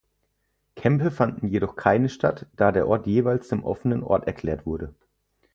Kämpfe fanden jedoch keine statt, da der Ort jeweils zum offenen Ort erklärt wurde.